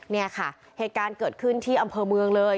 เนี่ยค่ะเหตุการณ์เกิดขึ้นที่อำเภอเมืองเลย